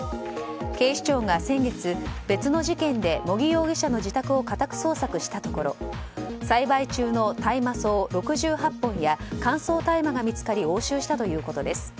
警視庁が先月、別の事件で茂木容疑者の自宅を家宅捜索したところ栽培中の大麻草６８本や乾燥大麻が見つかり押収したということです。